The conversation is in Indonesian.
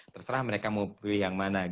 terserah mereka mau pilih yang mana